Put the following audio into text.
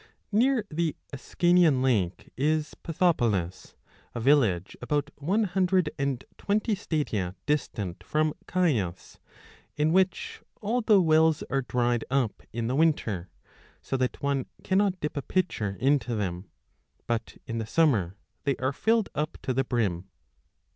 Near the Ascanian lake is Pythopolis, a village about 54 35 one hundred and twenty stadia distant from Cius, in which all the wells are dried up in the winter, so that one cannot dip a pitcher into them ; but in the summer they are filled up to the brim.